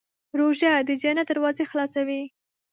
روژه د جنت دروازې خلاصوي.